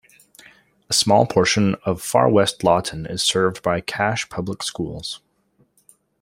A small portion of far-west Lawton is served by Cache Public Schools.